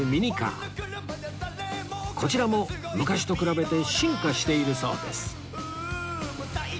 こちらも昔と比べて進化しているそうです